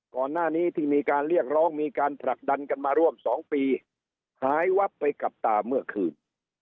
ก่อนหน้านี้ที่มีการเรียกร้องมีการผลักดันกันมาร่วม๒ปีหายวับไปกับตาเมื่อคืน